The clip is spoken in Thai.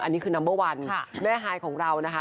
อันนี้คือนัมเบอร์วันแม่ฮายของเรานะคะ